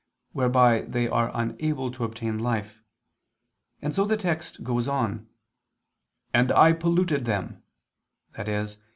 whereby they are unable to obtain life; and so the text goes on: "And I polluted them," i.e.